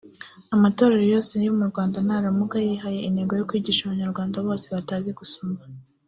Amatorero yose yo mu Rwanda naramuka yihaye intego yo kwigisha Abanyarwanda bose batazi gusoma